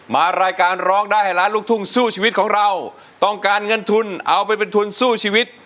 รายการร้องได้ให้ล้านลูกทุ่งสู้ชีวิตของเราต้องการเงินทุนเอาไปเป็นทุนสู้ชีวิต